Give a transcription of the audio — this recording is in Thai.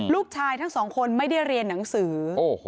ลูกชายทั้งสองคนไม่ได้เรียนหนังสือ